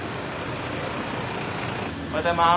おはようございます。